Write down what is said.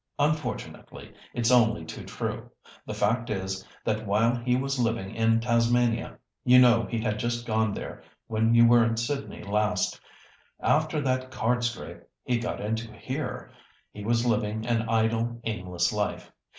"Unfortunately, it's only too true. The fact is, that while he was living in Tasmania—you know he had just gone there when you were in Sydney last, after that card scrape he got into here—he was living an idle, aimless life.